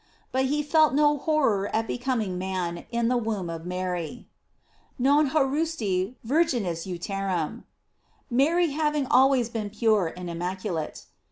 But he felt no horror at becoming man in the womb of Mary : "Non horruisti virginis uterum," Mary having always been pure and im maculate.